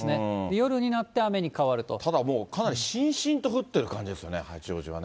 夜になって、雨ただもう、かなりしんしんと降っている感じですよね、八王子はね。